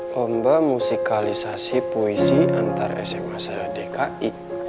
lomba musikalisasi puisi antar sma saya dki